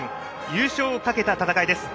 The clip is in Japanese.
優勝をかけた戦いです。